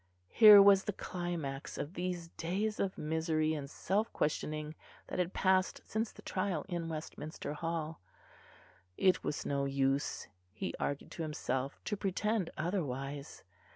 Here was the climax of these days of misery and self questioning that had passed since the trial in Westminster Hall. It was no use, he argued to himself, to pretend otherwise.